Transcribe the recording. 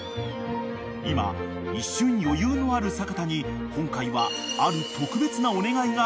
［今一瞬余裕のある阪田に今回はある特別なお願いがありやって来たのだ］